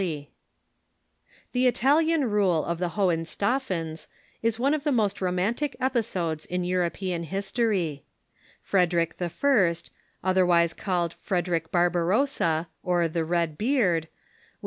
] The Italian rule of the Hohenstaufens is one of the most romantic episodes in European history. Frederic I., otherwise called Frederic Barbarossa, or the Red Beard, was Hohenstaufens „ iii • o ^t..